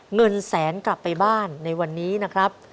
เงินแสนกลับไปบ้านในวันนี้นะครับ